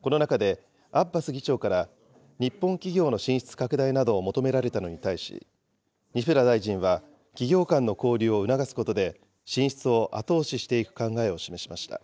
この中でアッバス議長から日本企業の進出拡大などを求められたのに対し、西村大臣は企業間の交流を促すことで、進出を後押ししていく考えを示しました。